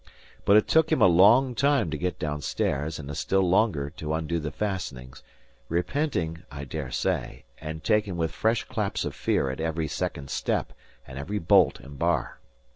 But it took him a long time to get down stairs, and a still longer to undo the fastenings, repenting (I dare say) and taken with fresh claps of fear at every second step and every bolt and bar.